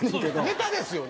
ネタですよね？